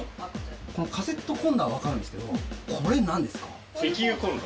このカセットコンロはわかるんですけどこれなんですか？